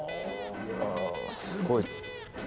いやすごい。